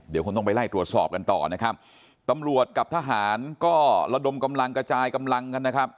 เดี๋ยวคงต้องไปไล่ตรวจสอบกันต่อนะครับตำรวจกับทหารก็ระดมกำลังกระจายกำลังกันนะครับ